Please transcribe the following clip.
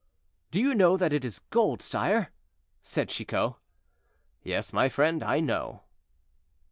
"Do you know that it is gold, sire?" said Chicot. "Yes, my friend, I know."